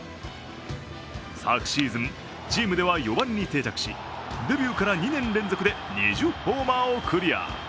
昨シーズン、チームでは４番に定着しデビューから２年連続で２０ホーマーをクリア。